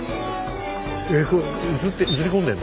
えこれ映り込んでんの？